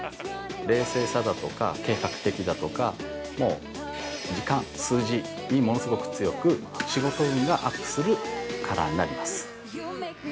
冷静さだとか、計画的だとか時間、数字に物すごく強く仕事運がアップするカラーになります。